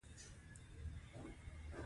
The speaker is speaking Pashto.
هغه ته مې وویل پولیس پوستې ته ورشه.